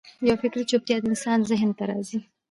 یوه فکري چوپتیا د انسان ذهن ته راځي.